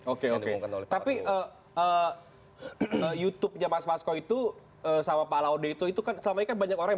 oke oke tapi youtube nya mas fasco itu sama pak laude itu kan selama ini kan banyak orang yang